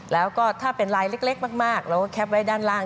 แล้วก็ถ้าเป็นลายเล็กมากเราก็แคปไว้ด้านล่าง